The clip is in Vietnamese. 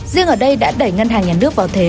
riêng ở đây đã đẩy ngân hàng nhà nước vào thế